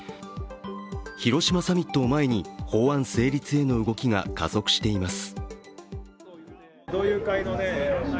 広島サミットを前に法案成立への動きが加速しています。